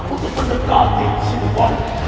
untuk mendekati si wangi